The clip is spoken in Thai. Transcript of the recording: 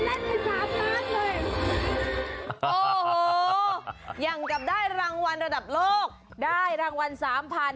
โอ้โหยังกับได้รางวัลระดับโลกได้รางวัลสามพัน